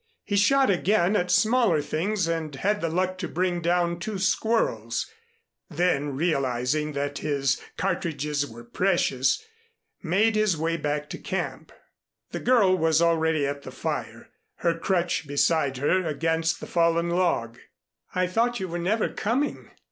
He shot again at smaller things and had the luck to bring down two squirrels; then realizing that his cartridges were precious, made his way back to camp. The girl was already at the fire, her crutch beside her against the fallen log. "I thought you were never coming."